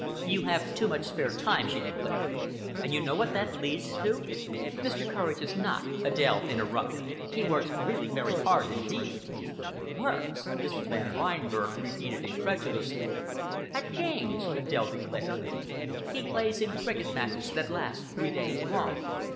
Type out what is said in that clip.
"You have too much spare time," she declared. "And you know what that leads to?" "Mr. Courage has not," Adèle interrupted. "He works really very hard indeed." "Works!" Mrs. Van Reinberg repeated incredulously. "At games!" Adèle declared. "He plays in cricket matches that last three days long.